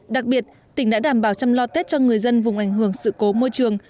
đặc biệt tỉnh đã đảm bảo chăm lo tết cho người dân vùng ảnh hưởng sự cố môi trường